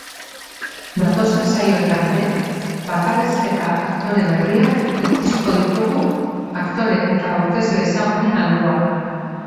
Datozen saioetan ere bakarrizketa-aktore berriak ikusiko ditugu aktore eta aurkezle ezagunen alboan.